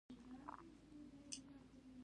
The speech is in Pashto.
د پوهنې او حج او اوقافو وزارتونه دي.